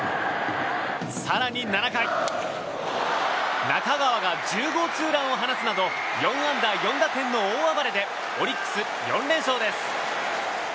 更に７回、中川が１０号ツーランを放つなど４安打４打点の大暴れでオリックス、４連勝です。